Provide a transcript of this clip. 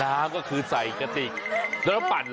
อ๋อน้ำก็คือใส่กะติกเดี๋ยวก็ต้องตั่งปั่นเหรอ